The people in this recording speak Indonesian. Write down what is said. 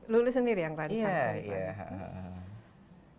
lulus sendiri yang rancang